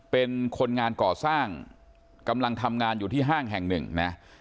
เป็นคนงานก่อสร้างกำลังทำงานอยู่ที่ห้างแห่งหนึ่งนะ